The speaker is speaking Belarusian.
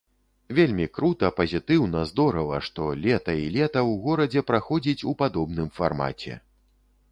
Вельмі крута, пазітыўна, здорава, што лета і лета ў горадзе праходзіць у падобным фармаце.